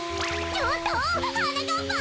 ちょっとはなかっぱん！